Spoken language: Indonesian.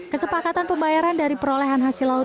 kesepakatan pembayaran dari perolehan hasil laut